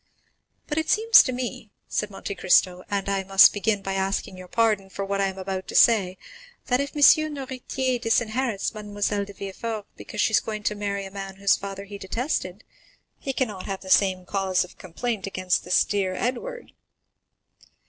"But it seems to me," said Monte Cristo, "and I must begin by asking your pardon for what I am about to say, that if M. Noirtier disinherits Mademoiselle de Villefort because she is going to marry a man whose father he detested, he cannot have the same cause of complaint against this dear Edward."